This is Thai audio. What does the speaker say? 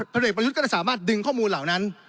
เด็กประยุทธ์ก็จะสามารถดึงข้อมูลเหล่านั้น